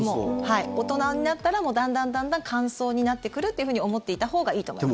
大人になったらもうだんだん乾燥になってくるというふうに思っていたほうがいいと思います。